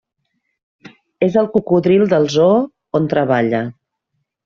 És el cocodril del zoo, on treballa.